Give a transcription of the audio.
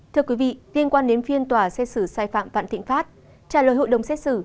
thưa quý vị liên quan đến phiên tòa xét xử sai phạm vạn thịnh pháp trả lời hội đồng xét xử